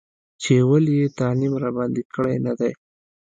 چې ولې یې تعلیم راباندې کړی نه دی.